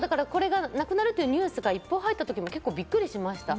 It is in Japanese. なくなるというニュースの一報が入った時びっくりしました。